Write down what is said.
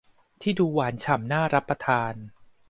ที่ดูหวานฉ่ำน่ารับประทาน